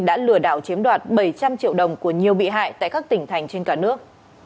đã lừa đảo chiếm đoạt bảy trăm linh triệu đồng của nhiều bị hại tại các tỉnh thành trên cả nước